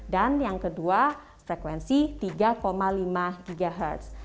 dan yang kedua frekuensi tiga lima ghz